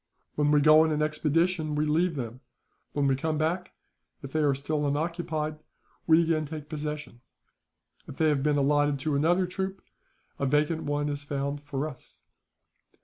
When we go on an expedition, we leave them; when we come back, if they are still unoccupied, we again take possession. If they have been allotted to another troop, a vacant one is found for us.